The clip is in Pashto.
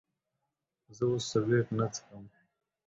زه اوس سيګرټ نه سکم